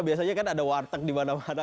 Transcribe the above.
biasanya kan ada warteg di mana mana